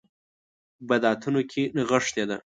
بدعتونو کې نغښې ده.